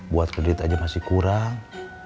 buat kredit aja masih kurang